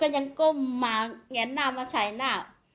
ยังก้มมาแงนหน้ามาใส่หน้า